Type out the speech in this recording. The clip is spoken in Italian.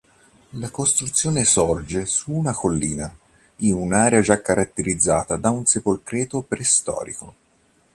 La costruzione sorge su una collina, in un'area già caratterizzata da un sepolcreto preistorico.